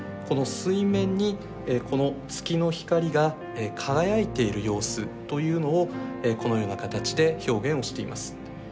この水面にこの月の光が輝いている様子というのをこのような形で表現をしています。